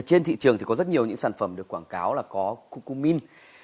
trên thị trường thì có rất nhiều sản phẩm được quảng cáo là có cucumin